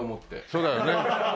そうだよね。